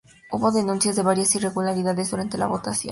Hubo denuncias de varias irregularidades durante la votación.